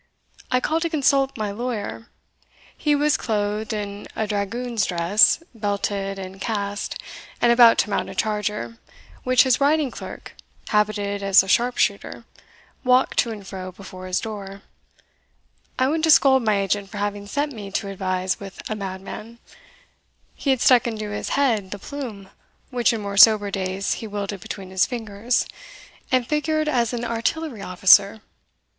I called to consult my lawyer; he was clothed in a dragoon's dress, belted and casqued, and about to mount a charger, which his writing clerk (habited as a sharp shooter) walked to and fro before his door. I went to scold my agent for having sent me to advise with a madman; he had stuck into his head the plume, which in more sober days he wielded between his fingers, and figured as an artillery officer.